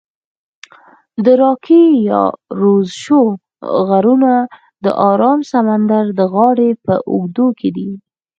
د راکي یا روشوز غرونه د آرام سمندر د غاړي په اوږدو کې دي.